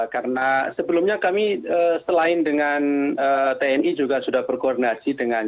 karena sebelumnya kami selain dengan tni juga sudah berkoordinasi dengan